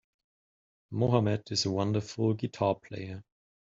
Mohammed is a wonderful guitar player.